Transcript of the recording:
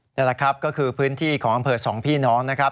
นี่แหละครับก็คือพื้นที่ของอำเภอสองพี่น้องนะครับ